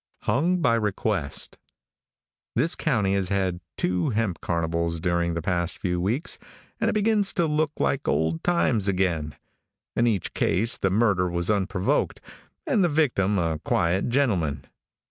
HUNG BY REQUEST. |THIS county has had two hemp carnivals during the past few weeks, and it begins to look like old times again. In each case the murder was unprovoked, and the victim a quiet gentleman.